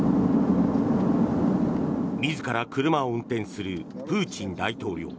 自ら車を運転するプーチン大統領。